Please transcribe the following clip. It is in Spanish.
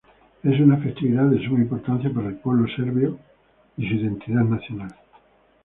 Es una festividad de suma importancia para el pueblo serbio y su identidad nacional.